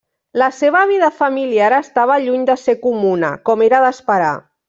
La seva vida familiar estava lluny de ser comuna, com era d'esperar.